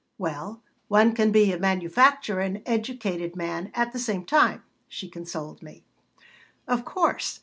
"Well, one can be a manufacturer and educated man at the same time," she consoled me "Of course.